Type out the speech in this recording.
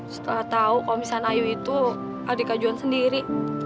setelah tau kalau misalnya ayu itu adik kak juan sendiri